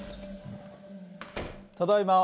ただいま。